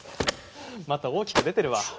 また大きく出てるわ。